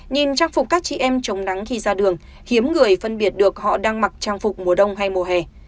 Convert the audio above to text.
nhìn trang phục các chị em chống nắng khi ra đường hiếm người phân biệt được họ đang mặc trang phục mùa đông hay mùa hè